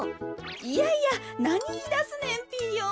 いやいやなにいいだすねんピーヨン。